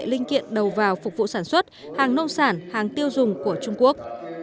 linh kiện đầu vào phục vụ sản xuất hàng nông sản hàng tiêu dùng của trung quốc